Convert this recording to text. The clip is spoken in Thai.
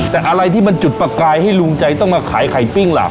แต่อะไรที่มันจุดประกายให้ลุงใจต้องมาขายไข่ปิ้งล่ะ